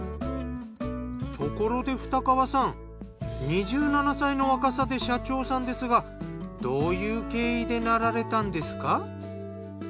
ところで二川さん２７歳の若さで社長さんですがどういう経緯でなられたんですか？